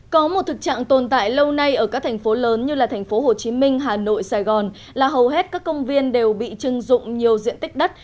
có một thực trạng tồn tại lâu nay ở các thành phố lớn như thành phố hồ chí minh hà nội sài gòn là hầu hết các công viên đều bị chưng dụng nhiều diện tích đất